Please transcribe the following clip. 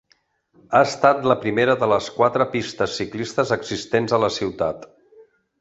Ha estat la primera de les quatre pistes ciclistes existents a la ciutat.